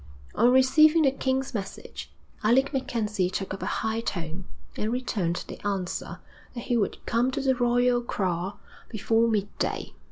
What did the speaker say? On receiving the king's message, Alec MacKenzie took up a high tone, and returned the answer that he would come to the royal kraal before midday.